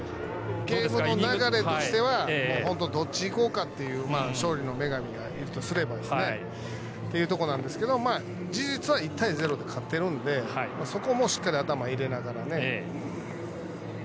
流れとしては、どっちに行こうか、勝利の女神がいるとすればですね、というところなんですけど、事実は１対０で勝っているのでそこをしっかり頭に入れないと。